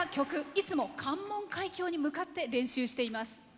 いつも関門海峡に向かって練習しています。